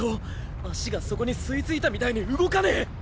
足が底に吸い付いたみたいに動かねぇ！